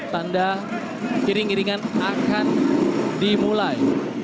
tanda jaring jaringan akan dimulai